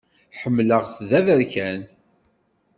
Ḥemmleɣ-t d aberkan.